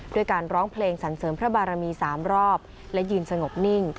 ด้วยการร้องเพลงสรรเสริมพระบารมี๓รอบและยืนสงบนิ่ง